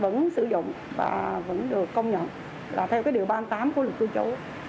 vẫn sử dụng và vẫn được công nhận là theo cái điều ba mươi tám của luật cư trú